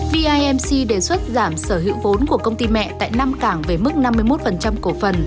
bimc đề xuất giảm sở hữu vốn của công ty mẹ tại năm cảng về mức năm mươi một cổ phần